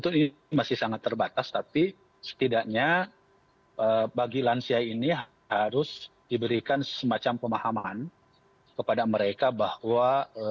ini masih sangat terbatas tapi setidaknya bagi lansia ini harus diberikan semacam pemahaman kepada mereka bahwa